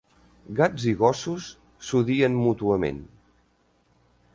Gats i gossos s'odien mútuament.